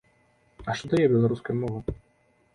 А што дае беларуская мова?